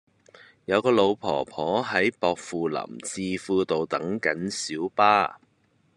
有個老婆婆喺薄扶林置富道等緊小巴